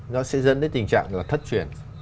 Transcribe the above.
nó sẽ dẫn đến tình trạng thất truyền